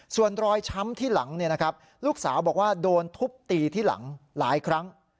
ส่วนรอยช้ำที่หลังลูกสาวบอกว่าโดนทุบตีที่หลังหลายครั้ง